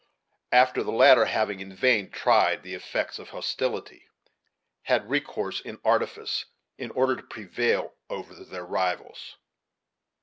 After the latter, having in vain tried the effects of hostility, had recourse in artifice in order to prevail over their rivals.